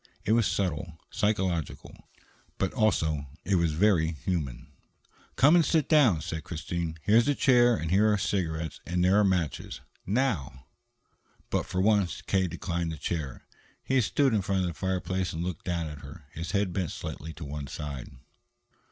It was subtle, psychological, but also it was very human. "Come and sit down," said Christine. "Here's a chair, and here are cigarettes and there are matches. Now!" But, for once, K. declined the chair. He stood in front of the fireplace and looked down at her, his head bent slightly to one side.